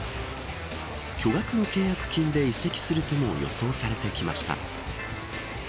巨額の契約金で移籍するとも予想されてきました。